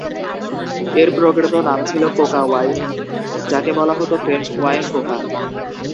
এর প্রকৃত নাম ছিলো কোকা ওয়াইন, যাকে বলা হতো ফ্রেঞ্চ ওয়াইন কোকা।